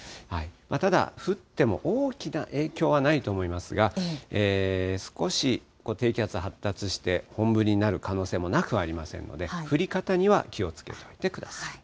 ただ降っても大きな影響はないと思いますが、少し低気圧発達して、本降りになる可能性もなくはありませんので、降り方には気をつけてください。